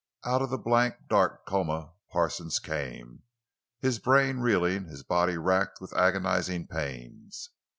Out of the blank, dark coma Parsons came, his brain reeling, his body racked with agonizing pains.